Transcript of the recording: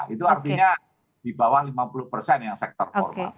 itu artinya di bawah lima puluh persen yang sektor formal